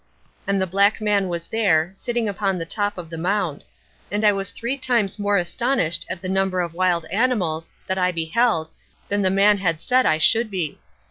And the black man was there, sitting upon the top of the mound; and I was three times more astonished at the number of wild animals that I beheld than the man had said I should be.